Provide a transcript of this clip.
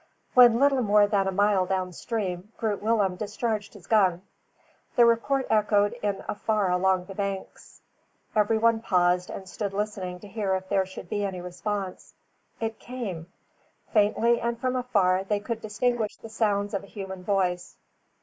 When little more than a mile down stream, Groot Willem discharged his gun. The report echoed in afar along the banks. Every one paused and stood listening to hear if there should be any response. It came. Faintly and from afar they could distinguish the sounds of a human voice.